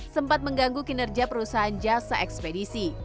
sempat mengganggu kinerja perusahaan jasa ekspedisi